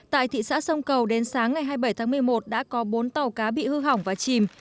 tại thị xã sông cầu đến sáng ngày hai mươi bảy tháng một mươi một đã có bốn tàu cá bị hư hỏng và chìm